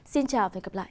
xin chào và hẹn gặp lại